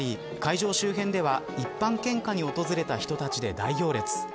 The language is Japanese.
会場周辺では一般献花に訪れた人たちで大行列。